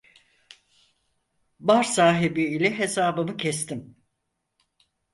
Bar sahibi ile hesabımı kestim.